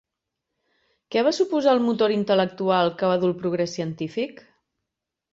Què va suposar el motor intel·lectual que va dur el progrés científic?